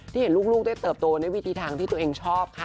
เห็นลูกได้เติบโตในวิธีทางที่ตัวเองชอบค่ะ